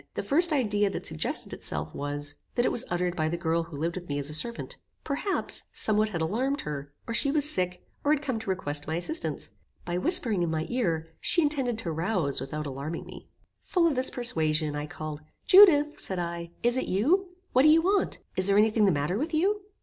The first idea that suggested itself was, that it was uttered by the girl who lived with me as a servant. Perhaps, somewhat had alarmed her, or she was sick, and had come to request my assistance. By whispering in my ear, she intended to rouse without alarming me. Full of this persuasion, I called; "Judith," said I, "is it you? What do you want? Is there any thing the matter with you?"